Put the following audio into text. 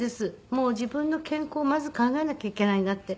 もう自分の健康をまず考えなきゃいけないなって。